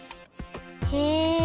へえ！